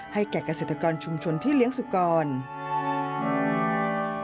ให้แก่เกษตรกรชุมชนที่เลี้ยงสุขรรค์